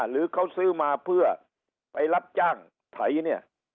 หรือเขาซื้อมาเพื่อไปรับจ้างไถเนี่ย